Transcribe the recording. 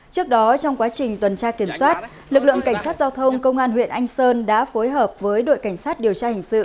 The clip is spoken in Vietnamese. trước đó trong quá trình tuần tra kiểm soát lực lượng cảnh sát giao thông công an huyện anh sơn đã phối hợp với đội cảnh sát điều tra hình sự